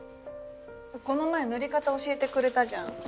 この前塗り方教えてくれたじゃん。